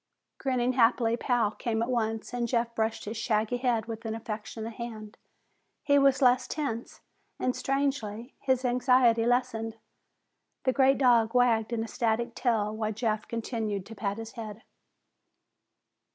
Grinning happily, Pal came at once and Jeff brushed his shaggy head with an affectionate hand. He was less tense and, strangely, his anxiety lessened. The great dog wagged an ecstatic tail while Jeff continued to pat his head.